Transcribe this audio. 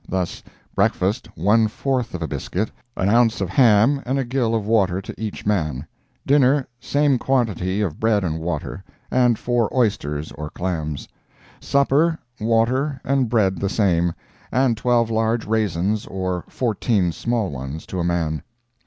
Thus—breakfast, one fourth of a biscuit, an ounce of ham and a gill of water to each man; dinner, same quantity of bread and water, and four oysters or clams; supper, water and bread the same, and twelve large raisins or fourteen small ones, to a man.